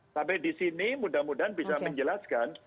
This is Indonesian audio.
sampai di sini mudah mudahan bisa menjelaskan